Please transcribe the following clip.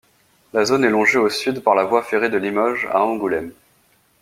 La zone est longée au sud par la voie ferrée de Limoges à Angoulême.